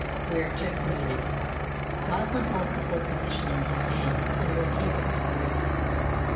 We are checkmated. Goslin holds the whole position in his hands, and will keep it."